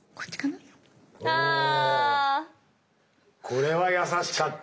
これは易しかった。